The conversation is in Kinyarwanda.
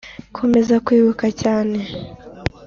komeza kwibuka cyane